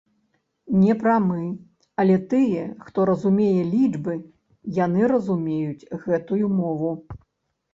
Не прамы, але тыя, хто разумее лічбы, яны разумеюць гэтую мову.